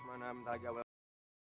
eh yang punya tv be